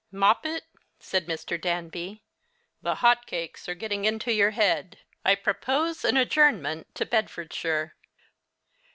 "Moppet," said Mr. Danby, "the hot cakes are getting into your head. I propose an adjournment to Bedfordshire."